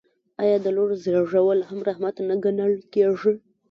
آیا د لور زیږیدل هم رحمت نه ګڼل کیږي؟